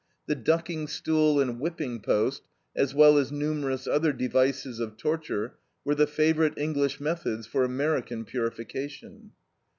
The ducking stool and whipping post, as well as numerous other devices of torture, were the favorite English methods for American purification.